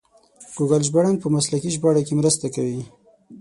ګوګل ژباړن په مسلکي ژباړه کې مرسته کوي.